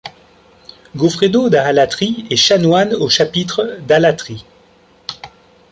Goffredo da Alatri est chanoine au chapitre d'Alatri.